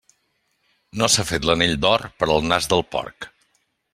No s'ha fet l'anell d'or per al nas del porc.